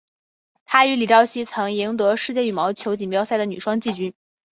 她与李绍希曾赢得世界羽毛球锦标赛女双季军。